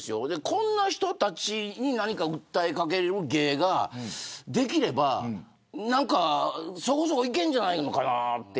こんな人たちに何か訴え掛ける芸ができればそこそこいけるんじゃないのかなと。